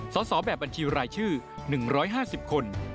สอบแบบบัญชีรายชื่อ๑๕๐คน